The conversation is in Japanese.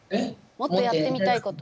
もっとやってみたいこと。